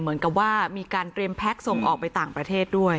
เหมือนกับว่ามีการเตรียมแพ็คส่งออกไปต่างประเทศด้วย